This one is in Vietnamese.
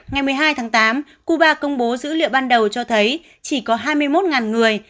ngày một mươi hai tháng tám cuba công bố dữ liệu ban đầu cho thấy chỉ có hai mươi một người